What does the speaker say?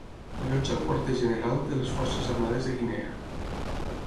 Allotja el quarter general de les Forces Armades de Guinea.